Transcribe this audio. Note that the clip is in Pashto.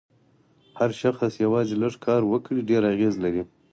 هر شخص یوازې لږ کار وکړي ډېر اغېز لري.